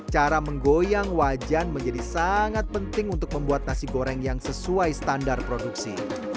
cara menggoyang wajan menjadi sangat penting untuk membuat nasi goreng yang sesuai standar produksi